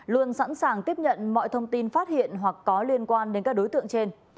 luôn sẵn sàng tiếp nhận mọi thông tin phát hiện hoặc có liên quan đến các đối tượng trên